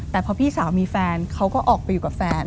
แต่พอพี่สาวมีแฟนเขาก็ออกไปอยู่กับแฟน